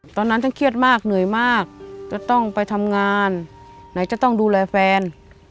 ตอนนั้นท่านเครียดมากเหนื่อยมากจะต้องไปทำงานไหนจะต้องดูแลแฟน